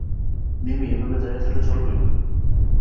মিমি, এভাবে দাঁড়িয়ে থাকলে চলবে?